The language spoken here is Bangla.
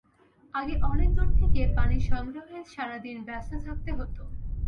আগে অনেক দূর থেকে পানি সংগ্রহে সারা দিন ব্যস্ত থাকতে হতো।